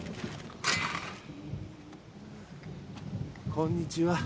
こんにちは。